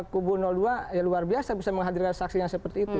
kubu dua ya luar biasa bisa menghadirkan saksi yang seperti itu